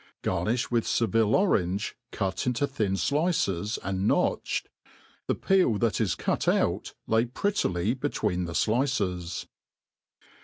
Garnifh with Seville orange, cut into thin flices and notched \ the peel that ia .€u| out lay prettily between the flice$.